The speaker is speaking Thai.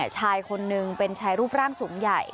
ชายคนนึงเป็นชายรูปร่างสูงใหญ่